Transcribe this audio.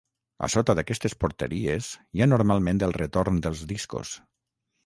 A sota d'aquestes porteries hi ha normalment el retorn dels discos.